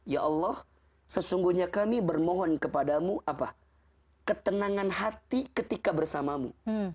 ya allah sesungguhnya kami bermohon kepadamu apa ketenangan hati ketika bersamamu